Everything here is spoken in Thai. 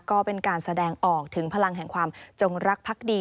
ก็เป็นการแสดงออกถึงพลังแห่งความจงรักพักดี